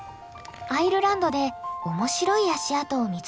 アイルランドで面白い足跡を見つけました。